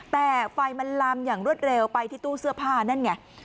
แต่ไฟมันลามอย่างรวดเร็วไปที่ตู้เสื้อผ้านั่นไง